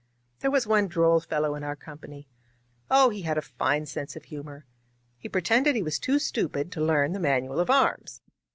There was one droll fellow in our company. Oh! he had a fine sense of humor. He pretended he was too stupid to learn the manual of arms.